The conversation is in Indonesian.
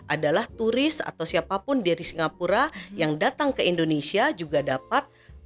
adalah turis atau siapapun dari singapura yang datang ke indonesia juga dapat